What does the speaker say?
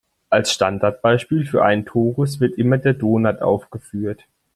Als Standardbeispiel für einen Torus wird immer der Donut aufgeführt.